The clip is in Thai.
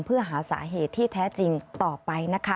เพื่อหาสาเหตุที่แท้จริงต่อไปนะคะ